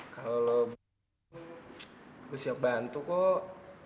kalo gue siap bantu kok